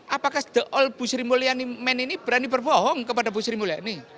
apakah the all bu sri mulyani men ini berani berbohong kepada bu sri mulyani